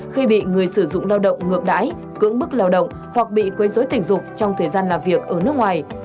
khi bị người sử dụng lao động ngược đái cưỡng bức lao động hoặc bị quê dối tình dục trong thời gian làm việc ở nước ngoài